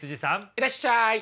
いらっしゃい。